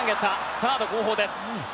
サード後方です。